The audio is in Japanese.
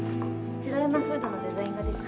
城山フードのデザイン画です。